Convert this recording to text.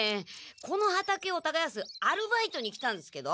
この畑をたがやすアルバイトに来たんっすけど。